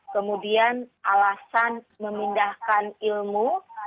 kemudian alasan memindahkan ilmu